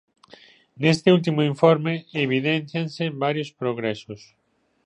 Neste último informe evidéncianse varios progresos.